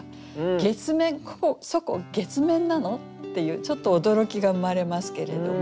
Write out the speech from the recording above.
月面「そこ月面なの？」っていうちょっと驚きが生まれますけれども。